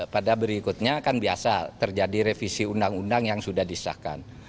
pada berikutnya kan biasa terjadi revisi undang undang yang sudah disahkan